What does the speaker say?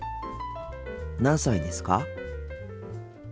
何歳ですか？